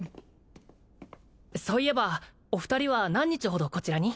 そういえばお二人は何日ほどこちらに？